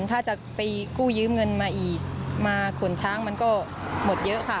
ถ้าจะไปกู้ยืมเงินมาอีกมาขนช้างมันก็หมดเยอะค่ะ